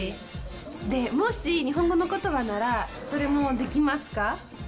もし日本語の言葉なら、それもできますか？